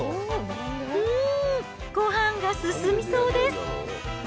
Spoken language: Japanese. うーん、ごはんが進みそうです。